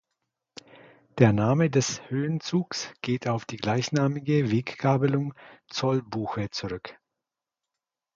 Der Name des Höhenzugs geht auf die gleichnamige Weggabelung Zollbuche zurück.